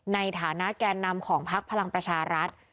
ในฐานะแกนนำของพักพลังประชารัฐ